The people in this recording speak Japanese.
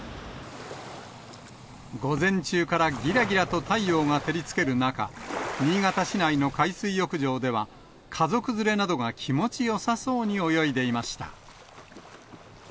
午前中からぎらぎらと太陽が照りつける中、新潟市内の海水浴場では、家族連れなどが気持ちよさそうに泳いでいました。